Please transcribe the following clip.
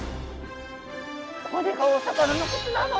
これがお魚の口なの？